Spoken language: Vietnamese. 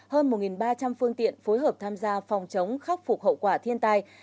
hơn một ba trăm linh phương tiện phối hợp tham gia phòng chống khắc phục hậu quả thiên tai